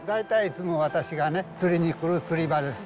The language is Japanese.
大体いつも私がね、釣りに来る釣り場です。